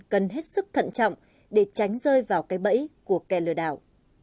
cần hết sức thận trọng để tránh rơi vào cái bẫy của kẻ lừa đảo